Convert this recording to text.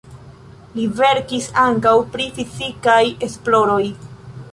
Li verkis ankaŭ pri fizikaj esploroj.